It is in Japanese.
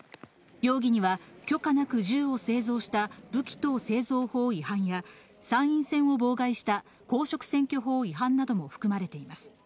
容疑には、許可なく銃を製造した武器等製造法違反や、参院選を妨害した公職選挙法違反なども含まれています。